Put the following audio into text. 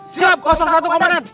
siap satu komandan